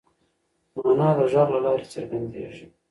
مانا د غږ له لارې څرګنديږي.